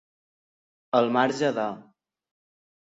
Al marge de.